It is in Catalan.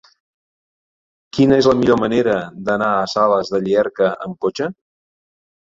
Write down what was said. Quina és la millor manera d'anar a Sales de Llierca amb cotxe?